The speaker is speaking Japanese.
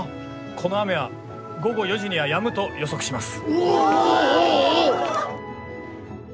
この雨は午後４時にはやむと予測します。